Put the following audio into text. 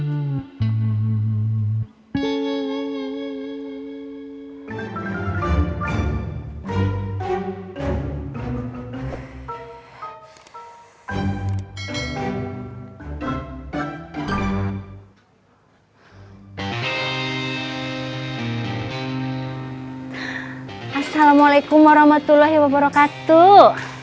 assalamualaikum warahmatullahi wabarakatuh